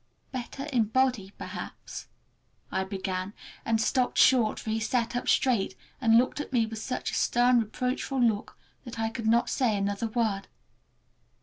"Better in body perhaps"—I began, and stopped short, for he sat up straight and looked at me with such a stern, reproachful look that I could not say another word.